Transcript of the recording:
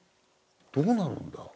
どうなるんだ？